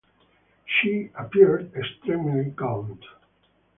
She "appeared extremely gaunt".